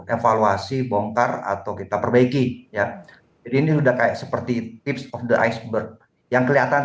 evaluasi bongkar atau kita perbaiki ya jadi ini udah kayak seperti tips of the iceberg yang kelihatan